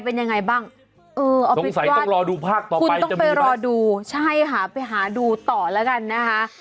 คุณต้องไปรอดูใช่ค่ะไปหาดูต่อแล้วกันนะคะ